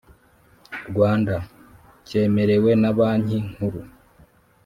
Rwanda cyemerewe na Banki Nkuru